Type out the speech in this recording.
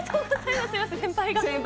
先輩が。